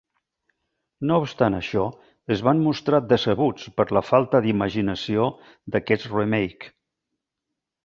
No obstant això, es van mostrar decebuts per la falta d'imaginació d'aquest remake.